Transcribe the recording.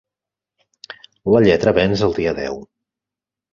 La lletra venç el dia deu.